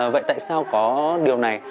vậy tại sao có điều này